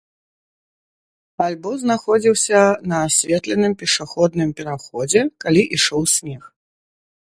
Альбо знаходзіўся на асветленым пешаходным пераходзе, калі ішоў снег.